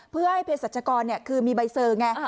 เพื่อให้เพศรัชกรคือมีใบเซอร์ไง